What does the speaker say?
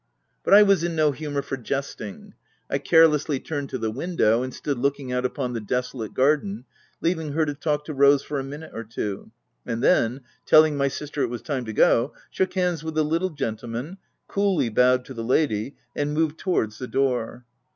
But I was in no humour for jesting. I care lessly turned to the window, and stood looking out upon the desolate garden, leaving her to talk to Rose for a minute or two ; and then, tell ing my sister it was time to go, shook hands with 92 THE TENANT the little gentleman, coolly bowed to the lady, and moved towards the door.